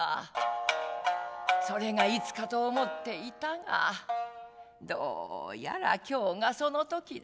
それがいつかと思っていたがどうやら今日がそのときだ。